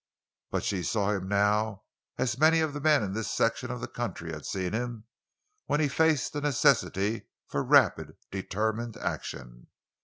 But she saw him now as many of the men in this section of the country had seen him when he faced the necessity for rapid, determined action.